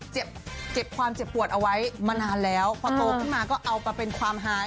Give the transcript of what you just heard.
เจ็บเจ็บความเจ็บปวดเอาไว้มานานแล้วพอโตขึ้นมาก็เอามาเป็นความหาย